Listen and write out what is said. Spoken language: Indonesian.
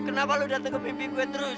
kenapa lo datang ke bibi gue terus